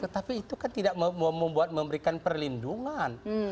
tetapi itu kan tidak membuat memberikan perlindungan